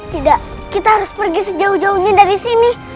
tidak kita harus pergi sejauh jauhnya dari sini